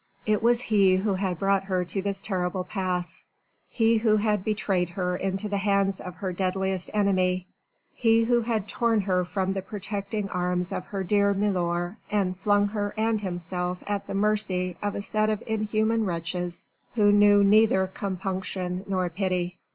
It was he who had brought her to this terrible pass: he who had betrayed her into the hands of her deadliest enemy: he who had torn her from the protecting arms of her dear milor and flung her and himself at the mercy of a set of inhuman wretches who knew neither compunction nor pity.